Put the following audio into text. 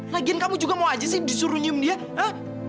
lagian kamu juga mau aja sih disuruh nyem dia